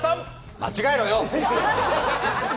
間違えろよ！